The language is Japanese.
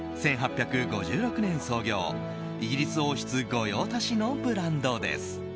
１８５６年創業、イギリス王室御用達のブランドです。